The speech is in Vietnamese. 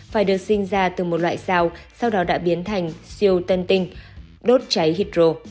phải được sinh ra từ một loại sao sau đó đã biến thành siêu tân tinh đốt cháy hypro